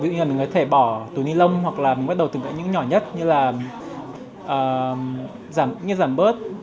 ví dụ như là mình có thể bỏ túi ni lông hoặc là mình bắt đầu từ tại những nhỏ nhất như là giảm bớt